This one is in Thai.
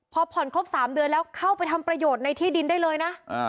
พอผ่อนครบ๓เดือนแล้วเข้าไปทำประโยชน์ในที่ดินได้เลยนะ